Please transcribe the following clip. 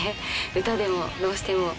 歌でもどうしても。